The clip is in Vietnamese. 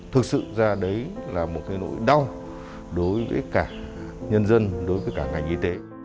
thực sự ra đấy là một cái nỗi đau đối với cả nhân dân đối với cả ngành y tế